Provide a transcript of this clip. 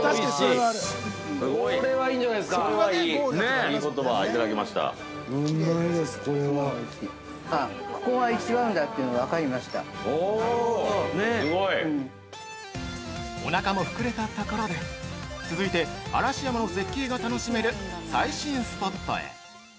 ◆うまいです、これは。◆お腹も膨れたところで続いて、嵐山の絶景が楽しめる最新スポットへ！